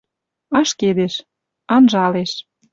Ашкедеш. Анжалеш...